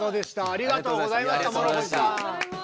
ありがとうございます。